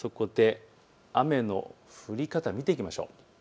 雨の降り方を見ていきましょう。